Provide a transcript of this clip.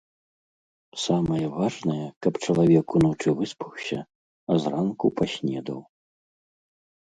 Самае важнае, каб чалавек уночы выспаўся, а зранку паснедаў.